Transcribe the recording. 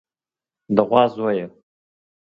د غوا زويه.